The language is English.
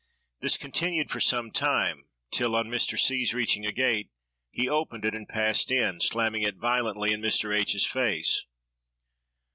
This continued for some time, till, on Mr. C——'s reaching a gate, he opened it and passed in, slamming it violently in Mr. H——'s face.